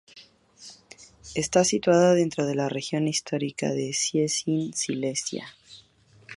Está situada dentro de la región histórica de Cieszyn Silesia.